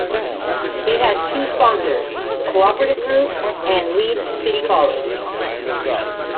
It has two sponsors: The Co-operative Group and Leeds City College.